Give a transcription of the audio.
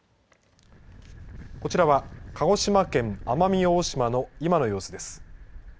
こちらは鹿児島県奄美大島の今の様子です。